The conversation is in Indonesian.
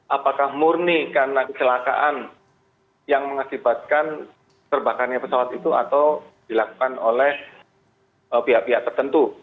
apakah murni karena kecelakaan yang mengakibatkan terbakarnya pesawat itu atau dilakukan oleh pihak pihak tertentu